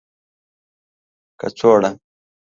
کڅوړه